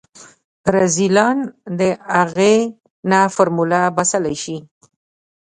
رذيلان د اغې نه فارموله باسلی شي.